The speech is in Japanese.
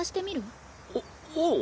おおう。